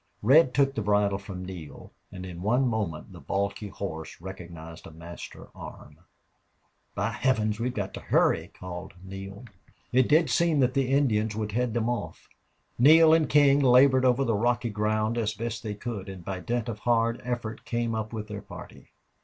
Red took the bridle from Neale and in one moment the balky horse recognized a master arm. "By Heaven! we've got to hurry!" called Neale. It did seem that the Indians would head them off. Neale and King labored over the rocky ground as best they could, and by dint of hard effort came up with their party.